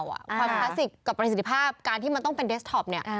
ความคลาสสิกกับประสิทธิภาพการที่มันต้องเป็นเดสท็อปเนี่ย